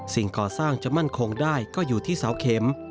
ก่อสร้างจะมั่นคงได้ก็อยู่ที่เสาเข็ม